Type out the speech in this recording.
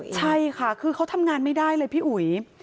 ใช่ค่ะคือเขาทำงานไม่ได้เลยพี่อุ๋ย